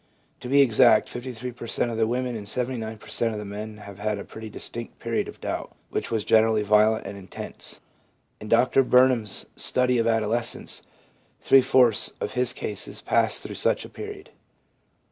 To be exact, 53 per cent, of the women and 79 per cent, of the men have had a pretty distinct period of doubt, which was generally violent and intense. In Dr Burnham's ' Study of Adolescence/ three fourths of his cases passed through such a period.